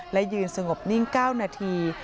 และยืนสงบนิ่ง๙นาที